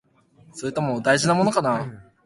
それとも、大事なものかな？